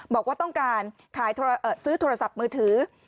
บอกว่าต้องการซื้อโทรศัพท์มือถือ